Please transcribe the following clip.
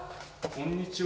こんにちは。